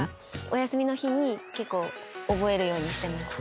お休みの日に結構覚えるようにしてます。